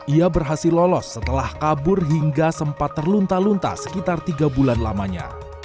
ia berhasil lolos setelah kabur hingga sempat terlunta lunta sekitar tiga bulan lamanya